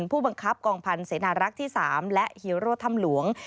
ผู้บังคับกองพันธ์เสนารักษ์ที่๓และฮีโร่ถ้ำหลวง